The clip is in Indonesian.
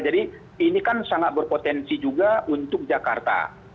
jadi ini kan sangat berpotensi juga untuk jakarta